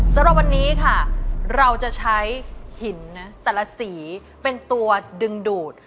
สำหรับวันนี้ค่ะเราจะใช้หินนะแต่ละสีเป็นตัวดึงดูด